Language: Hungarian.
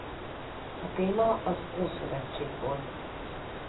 A téma az Ószövetség volt.